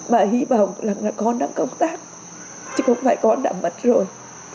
mà hy vọng là con đang công tác chứ không phải con đã mất rồi